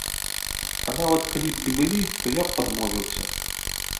А нават калі б і былі, то я б адмовіўся.